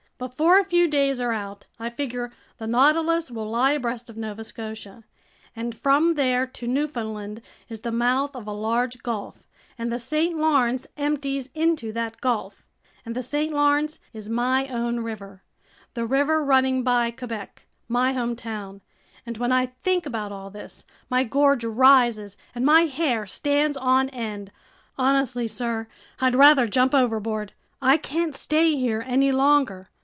Before a few days are out, I figure the Nautilus will lie abreast of Nova Scotia, and from there to Newfoundland is the mouth of a large gulf, and the St. Lawrence empties into that gulf, and the St. Lawrence is my own river, the river running by Quebec, my hometown—and when I think about all this, my gorge rises and my hair stands on end! Honestly, sir, I'd rather jump overboard! I can't stay here any longer!